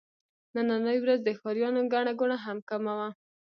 نننۍ ورځ د ښاريانو ګڼه ګوڼه هم کمه وه.